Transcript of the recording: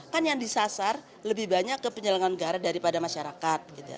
kan yang disasar lebih banyak ke penyelenggara negara daripada masyarakat